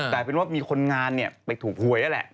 แต่เป็นว่ามีคนงานเนี่ยไปถูกหวยนั่นแหละ